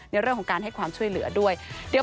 ในเรื่องของการให้ความช่วยเหลือด้วย